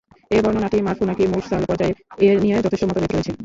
এ বর্ণনাটি মারফু নাকি মুরসাল পর্যায়ের এ নিয়ে যথেষ্ট মতভেদ রয়েছে।